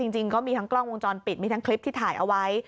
จริงก็มีทั้งกล้องวงจรปิดมีทั้งคลิปที่ถ่ายเอาไว้